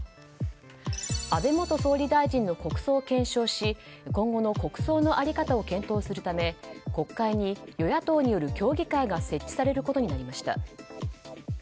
安倍元総理大臣の国葬を検証し今後の国葬の在り方を検討するため国会に、与野党による協議会が設置されることになりました。